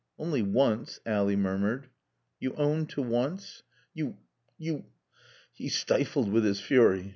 "Only once," Ally murmured. "You own to 'once'? You you " he stifled with his fury.